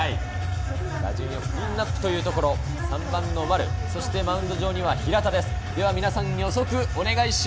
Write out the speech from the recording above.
打順はクリーンナップというところ３番・丸、そしてマウンド上には平田です。